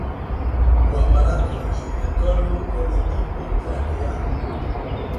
O aparato respiratorio é de tipo traqueal.